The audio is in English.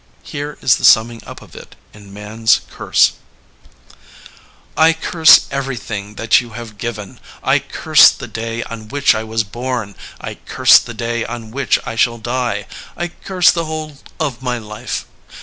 Here is the summing up of it in Man 's Curse : '*I curse everything that you have given. I curse the day on which I was bom. I curse the day on which I shall die. I curse the whole of my life.